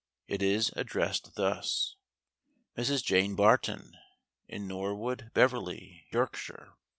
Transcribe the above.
It is addressed thus: "MRS. JANE BARTON, "IN NORWOOD, BEVERLEY, "YORKSHIRE."